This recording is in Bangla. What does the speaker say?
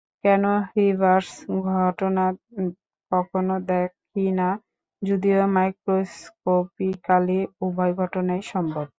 কেন রিভার্স ঘটনা কখনো দেখি না, যদিও মাইক্রোস্কপিক্যালি উভয় ঘটনাই সম্ভব।